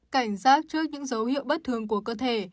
cảnh giác trước những dấu hiệu bất thường của cơ thể